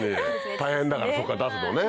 大変だからそこから出すのね。